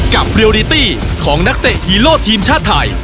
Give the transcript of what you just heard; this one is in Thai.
เรียลดิตี้ของนักเตะฮีโร่ทีมชาติไทย